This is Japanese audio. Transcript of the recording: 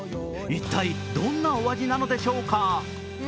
一体どんなお味なのでしょうか。